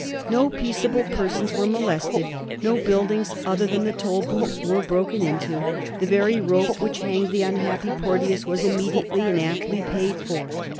No peaceable persons were molested; no buildings other than the Tolbooth were bro ken into ; the very rope which hanged the unhappy Porteous was immediately and amply paid for.